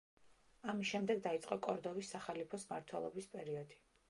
ამის შემდეგ დაიწყო კორდოვის სახალიფოს მმართველობის პერიოდი.